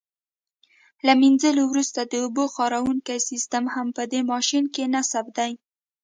له منځلو وروسته د اوبو خاروونکی سیسټم هم په دې ماشین کې نصب دی.